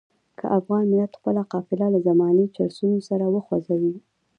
که افغان ملت خپله قافله له زماني جرسونو سره وخوځوي.